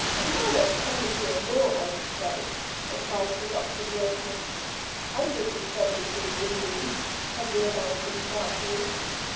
"A man of seventy, or more, I should say," replied the doctor gravely. "Hundred and seventy, you mean," said the American sharply.